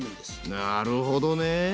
なるほどね。